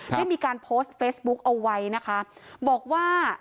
ได้มีการโพสต์เฟซบุ๊กเอาไว้นะคะบอกว่า